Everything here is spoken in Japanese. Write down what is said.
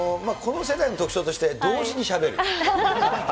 この世代の特徴として、同時にしゃべる。